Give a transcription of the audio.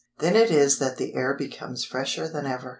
Then it is that the air becomes fresher than ever.